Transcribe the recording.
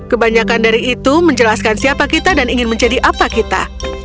kebanyakan dari itu menjelaskan siapa kita dan ingin menjadi apa kita